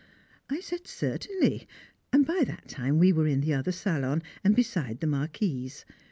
I said Certainly, and by that time we were in the other salon, and beside the Marquise.